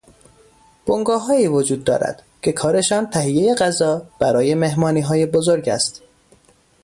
بنگاههایی وجود دارد که کارشان تهیهی غذا برای مهمانیهای بزرگ است.